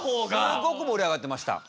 すごく盛り上がってました。